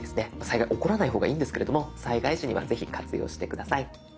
災害は起こらない方がいいんですけれども災害時にはぜひ活用して下さい。